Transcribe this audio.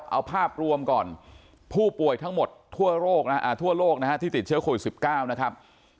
เอาภาพรวมก่อนผู้ป่วยทั้งหมดทั่วโลกนะฮะที่ติดเชื้อโควิด๑๙นะครับ